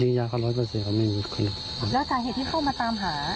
ยืนยันก็ร้อยเป็นเสียว่าไม่มีแล้วสาเหตุที่เข้ามาตามหา